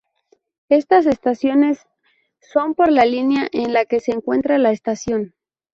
Estas estaciones son por la línea en la que se encuentra la estación.